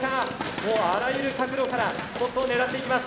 もうあらゆる角度からスポットを狙っていきます。